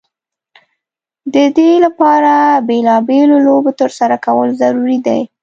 د دې لپاره بیلا بېلو لوبو ترسره کول ضرورت دی.